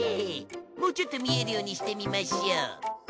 もうちょっと見えるようにしてみましょう。